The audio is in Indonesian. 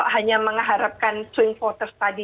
hanya mengharapkan swing voters tadi